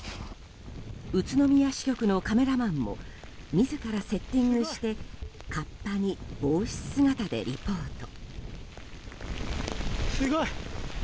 宇都宮支局のカメラマンも自らセッティングしてかっぱに帽子姿でリポート。